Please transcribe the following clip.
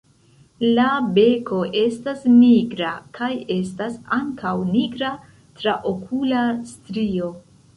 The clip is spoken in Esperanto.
La beko estas nigra kaj estas ankaŭ nigra traokula strio.